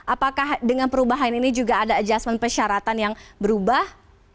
apakah dengan perubahan ini juga ada adjustment persyaratan yang berubah